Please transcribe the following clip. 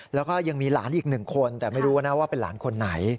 แล้วก็ยังมีหลานอีกหนึ่งคนแต่ไม่รู้นะว่าเป็นหลานคนไหน